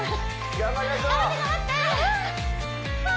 頑張りましょう！